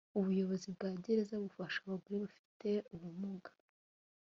ubuyobozi bwa gereza bufasha abagore bafite ubumuga